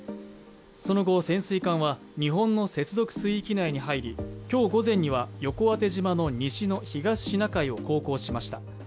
その後、潜水艦は日本の接続水域内に入り今日午前には横当島の西の東シナ海を航行しました。